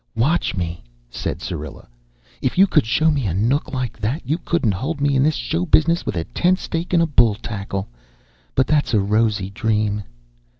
"Watch me!" said Syrilla. "If you could show me a nook like that, you couldn't hold me in this show business with a tent stake and bull tackle. But that's a rosy dream!"